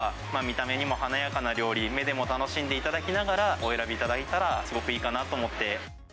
イタリア料理というのは、見た目にも華やかな料理、目でも楽しんでいただきながら、お選びいただいたら、すごくいいかなと思って。